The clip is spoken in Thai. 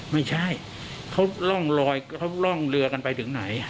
ไม่ใช่เขาร่องลอยเขาร่องเรือกันไปถึงไหน